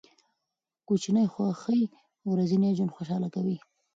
کوچني خوښۍ ورځنی ژوند خوشحاله کوي.